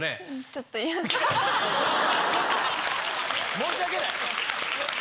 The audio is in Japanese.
申し訳ない。